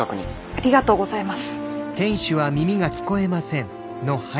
ありがとうございます。